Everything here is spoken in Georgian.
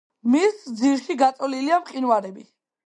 მის ძირში გაწოლილია მყინვარები.